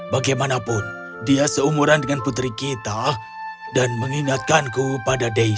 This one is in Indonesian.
bagaimanapun dia seumuran dengan putri kita dan mengingatkanku pada desi